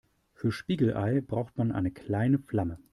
Für Spiegelei braucht man eine kleine Flamme.